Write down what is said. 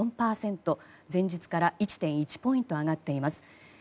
前日から１．１ポイント上がっています。